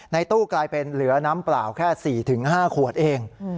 ตู้กลายเป็นเหลือน้ำเปล่าแค่๔๕ขวดเอง